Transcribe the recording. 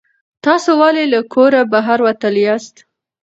تاسو ولې له کوره بهر وتلي یاست؟